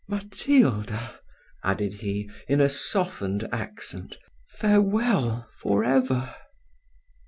Matilda," added he, "in a softened accent, farewell for ever."